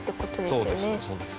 そうですね全然。